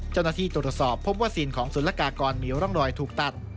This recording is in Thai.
เจ้าหน้าที่ตรวจสอบพบว่าศิลป์ของศุลกากรมิวร่องรอยถูกตัด